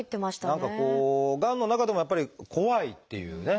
何かこうがんの中でもやっぱり怖いっていうね